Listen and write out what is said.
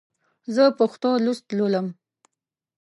زه پښتو لوست لولم.